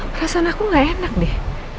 perasaan aku gak enak deh